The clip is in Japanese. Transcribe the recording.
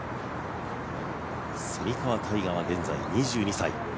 蝉川泰果は現在２２歳。